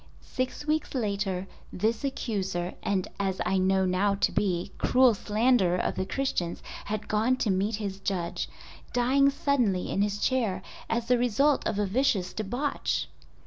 Six weeks later this accuser, and as I know now to be, cruel slanderer of the Christians had gone to meet his Judge—dying suddenly in his chair as the result of a vicious debauch!